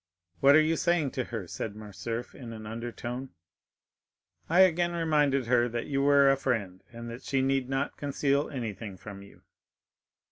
"What are you saying to her?" said Morcerf in an undertone. "I again reminded her that you were a friend, and that she need not conceal anything from you."